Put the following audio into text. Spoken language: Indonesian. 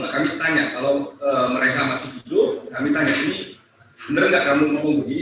kami tanya kalau mereka masih hidup kami tanya ini benar nggak kamu ngomong begini